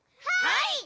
はい！